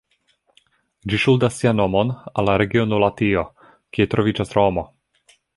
Ĝi ŝuldas sian nomon al la regiono Latio, kie troviĝas Romo.